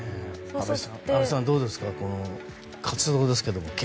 安部さん、どうですかこの活動。